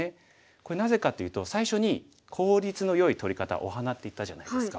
これなぜかというと最初に効率のよい取り方をお花っていったじゃないですか。